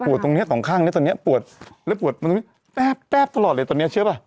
ปวดตรงเนี้ยต่างข้างแล้วตรงเนี้ยปวดแล้วปวดมาตรงนี้แป๊บแป๊บตลอดเลยตรงเนี้ยเชื่อเปล่า